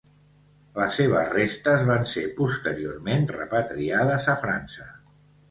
Les seves restes van ser posteriorment repatriades a França.